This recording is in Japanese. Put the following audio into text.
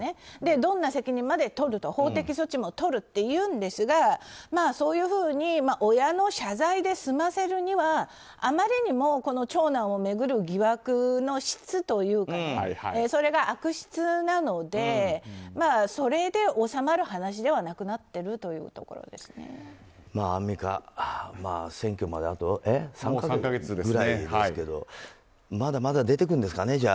どんな責任まで取ると法的措置もとると言っているんですがそういうふうに親の謝罪で済ませるにはあまりにも、この長男を巡る疑惑の質というかそれが悪質なのでそれで収まる話ではなくなっているアンミカ、選挙まであと３か月ぐらいですけどまだまだ出てくるんですかねじゃあ。